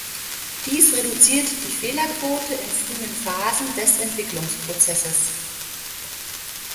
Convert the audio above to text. Dies reduziert die Fehlerquote in frühen Phasen des Entwicklungsprozesses.